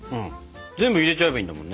全部入れちゃえばいいんだもんね。